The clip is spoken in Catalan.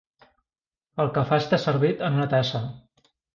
El cafè està servit en una tassa.